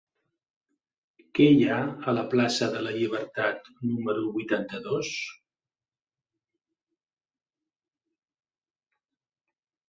Què hi ha a la plaça de la Llibertat número vuitanta-dos?